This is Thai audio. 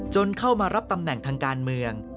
เข้ามารับตำแหน่งทางการเมือง